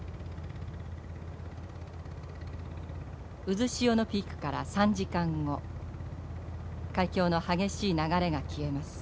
渦潮のピークから３時間後海峡の激しい流れが消えます。